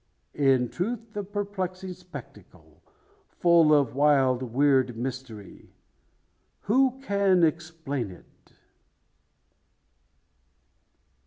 In truth, a perplexing spectacle full of wild, weird mystery. Who can explain it?